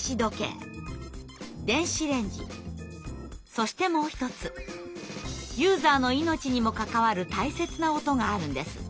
そしてもう一つユーザーの命にも関わる大切な音があるんです。